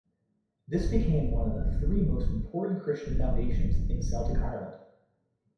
This became one of the three most important Christian foundations in Celtic Ireland.